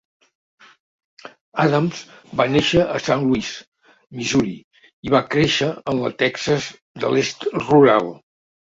Adams va néixer a Saint Louis, Missouri, i va créixer en la Texas de l'Est rural.